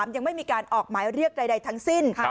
ยังไม่มีการออกหมายเรียกใดทั้งสิ้น